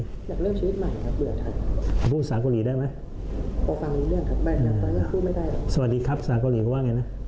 อยากเลือกชีวิตใหม่ครับเบื่อถ่าย